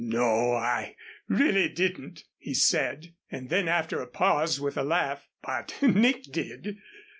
"No, I really didn't," he said, and then, after a pause, with a laugh: "but Nick did."